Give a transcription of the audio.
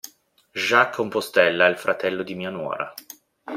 Jacques Campostella è il fratello di mia nuora.